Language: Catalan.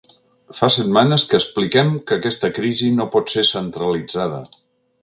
Fa setmanes que expliquem que aquesta crisi no pot ser centralitzada.